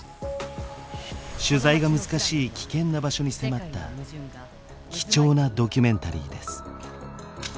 取材が難しい危険な場所に迫った貴重なドキュメンタリーです。